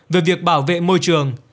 về việc bảo vệ môi trường